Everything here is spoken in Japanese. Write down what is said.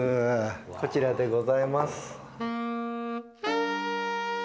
こちらでございます。